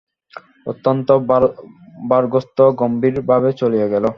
অত্যন্ত ভারগ্রস্ত গম্ভীর ভাবে চলিয়া গেল।